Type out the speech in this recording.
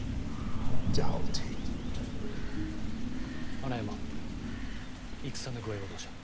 穴山戦の具合はどうじゃ？